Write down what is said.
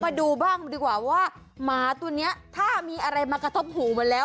มาดูบ้างดีกว่าว่าหมาตัวนี้ถ้ามีอะไรมากระทบหูมาแล้ว